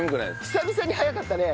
久々に早かったね。